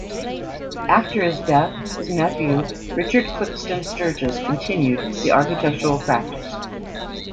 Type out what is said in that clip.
After his death, his nephew Richard Clipston Sturgis continued the architectural practice.